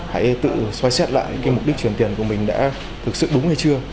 hãy tự xoay xét lại mục đích chuyển tiền của mình đã thực sự đúng hay chưa